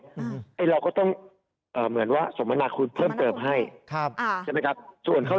อืมไอเราก็ต้องเอ่อเหมือนว่าสมนาคุณเพิ่มเติมให้ครับอ่า